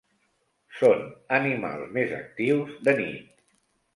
Són animals més actius de nit.